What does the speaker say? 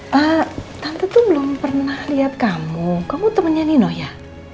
tante tuh belum pernah lihat kamu kamu temennya nino ya